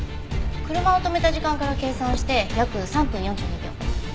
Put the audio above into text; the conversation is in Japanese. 車を止めた時間から計算して約３分４２秒。